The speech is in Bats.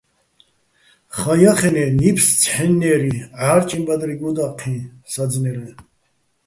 ხაჼ ჲახენე́, ნიფს ცჰ̦ენნე́ჲრი, ჺარჭიჼ ბადრი გუდა́ჴიჼ საძნერეჼ.